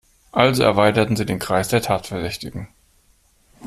Also erweiterten sie den Kreis der Tatverdächtigen.